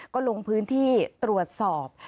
ก็ลงพื้นที่ตรวจสอบ